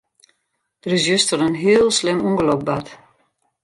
Der is juster in heel slim ûngelok bard.